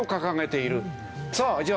さあじゃあ